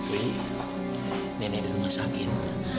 wi nenek di rumah sakit